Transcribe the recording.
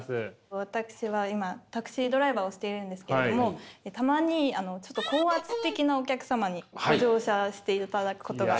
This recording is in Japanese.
私は今タクシードライバーをしているんですけれどもたまにちょっと高圧的なお客様にご乗車していただくことが。